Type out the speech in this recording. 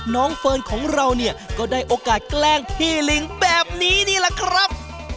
น้องเฟิรร์นของเราก็ได้โอกาสแก้งที่ลิงแบบนี้นี่กับ